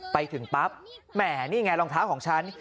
ไปถึงปั๊บแหมนี่ไงรองเท้าของฉัน